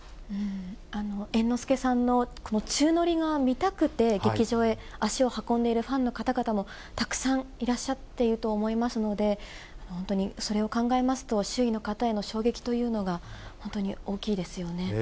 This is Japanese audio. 猿之助さんの宙乗りが見たくて、劇場へ足を運んでいるファンの方々もたくさんいらっしゃっていると思いますので、本当にそれを考えますと、周囲の方への衝撃というのが本当に大きいですよね。